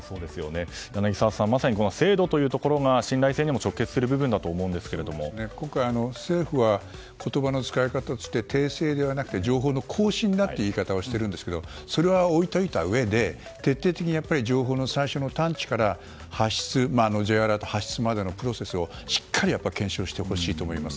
柳澤さんまさに制度が信頼性にも今回、政府は言葉の使い方として訂正ではなくて情報の更新だという言い方をしているんですがそれは置いておいたうえで徹底的に情報の最初の探知からＪアラート発出までのプロセスをしっかり検証してほしいと思います。